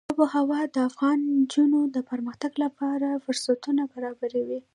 آب وهوا د افغان نجونو د پرمختګ لپاره فرصتونه برابروي.